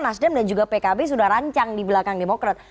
nasdem dan juga pkb sudah rancang di belakang demokrat